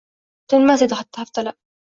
Chiqmas edi haftalab.